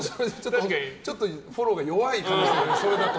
ちょっとフォローが弱い可能性がある、それだと。